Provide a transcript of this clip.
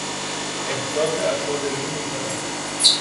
احساس افسردگی می کنم.